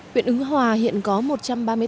huyện ứng hòa hiện có một trăm ba mươi sáu nhà máy